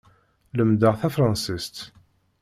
Lemdeɣ tafṛansist.